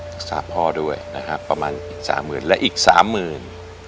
รักษาพ่อด้วยนะครับประมาณสามหมื่นและอีกสามหมื่น